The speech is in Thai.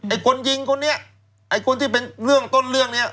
คนยิงคนนี้ไอ้คนที่เป็นเรื่องต้นเรื่องเนี้ย